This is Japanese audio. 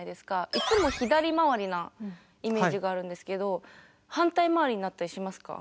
いつも左回りなイメージがあるんですけど反対回りになったりしますか？